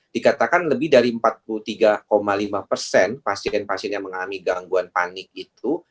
dikatakan lebih dari empat puluh tiga lima persen pasien pasien yang mengalami gangguan panik itu